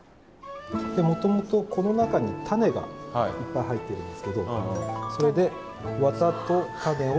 もともとこの中に種がいっぱい入ってるんですけどそれで綿と種を。